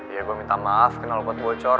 ya gue minta maaf kena lo buat bocor